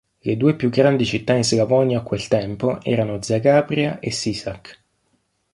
Le due più grandi città in Slavonia a quel tempo erano Zagabria e Sisak.